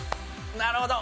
なるほど。